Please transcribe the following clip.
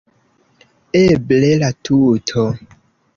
Eble la tuto.